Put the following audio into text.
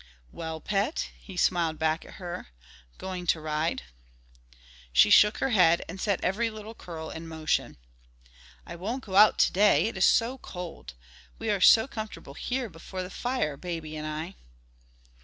"Well, pet," he smiled back at her, "going to ride?" She shook her head and set every little curl in motion. "I won't go out today, it is so cold; we are so comfortable here before the fire, baby and I."